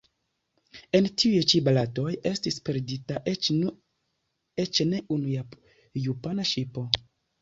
En tiuj ĉi bataloj estis perdita eĉ ne unu japana ŝipo.